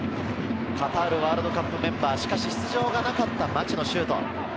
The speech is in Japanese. カタールワールドカップメンバー、しかし出場がなかった町野のシュート。